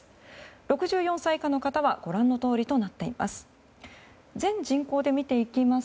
６４歳以下の方はご覧のとおりとなっています。